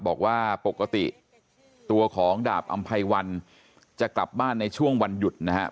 บอกว่าปกติตัวของดาบอำไพวันจะกลับบ้านในช่วงวันหยุดนะครับ